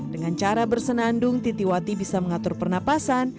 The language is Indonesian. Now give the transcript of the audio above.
dengan cara bersenandung titiwati bisa mengatur pernapasan